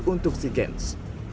untuk si gens